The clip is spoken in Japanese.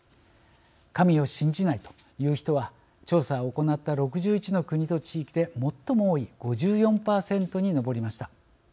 神を信じないという人は調査を行った６１の国と地域で最も多い５４％に上りました。